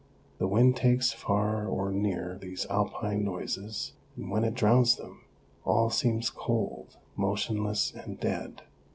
The wind takes far or near these Alpine noises, and when it drowns them, all seems cold, motion less and dead.